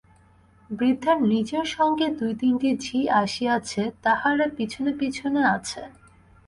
বৃদ্ধার নিজের সঙ্গে দুই তিনটি ঝি আসিয়াছে, তাহারা পিছনে পিছনে আছে।